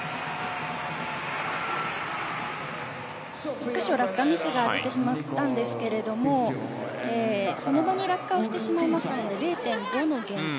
１か所、落下ミスが出てしまったんですけれどもその場に落下をしてしまいましたので０．５の減点。